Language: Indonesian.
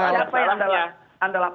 kita beri kepercayaan kepada kpk